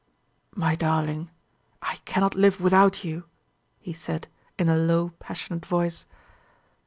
"My darling, I cannot live without you!" he said, in a low passionate voice.